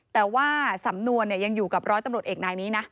แต่ว่าสำนวนยังอยู่กับร้อยตำรวจเอกนายนี้นะ